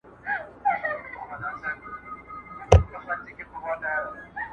څوک چي د مار بچی په غېږ کي ګرځوینه!.